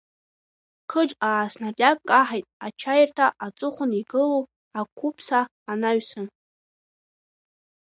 Қџ аа-снариадк каҳаит ачаирҭа аҵыхәаны игылоу ақәыԥсҳа анаҩсан.